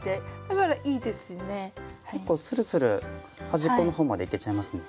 結構するする端っこの方までいけちゃいますね。